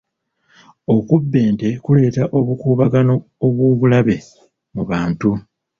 Okubba ente kuleeta obukuubagano obw'obulabe mu bantu.